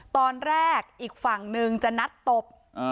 ตอนแรกอีกฝั่งนึงจะนัดตบ